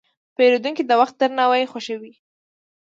پیرودونکی د وخت درناوی خوښوي.